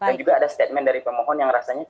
dan juga ada statement dari pemohon yang rasanya